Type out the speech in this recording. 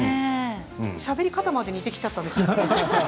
しゃべり方まで似てきちゃったんですか？